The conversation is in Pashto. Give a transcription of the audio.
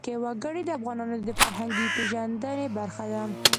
وګړي د افغانانو د فرهنګي پیژندنې برخه ده.